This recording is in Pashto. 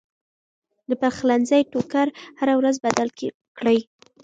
د پخلنځي ټوکر هره ورځ بدل کړئ.